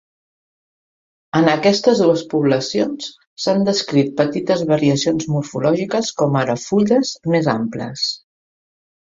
En aquestes dues poblacions s'han descrit petites variacions morfològiques, com ara fulles més amples.